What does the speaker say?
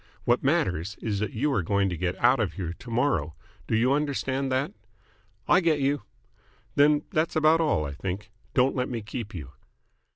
What matters is that you are going to get out of here to morrow. Do you understand that?" "I get you." "Then that's about all, I think. Don't let me keep you."